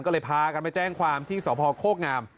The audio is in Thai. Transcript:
ก็เลยพากันไปแจ้งความที่สพโคกงาม